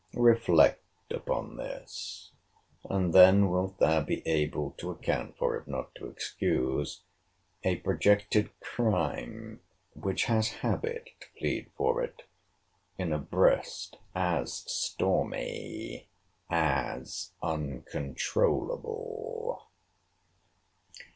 Reflect upon this; and then wilt thou be able to account for, if not to excuse, a projected crime, which has habit to plead for it, in a breast as stormy as uncontroulable!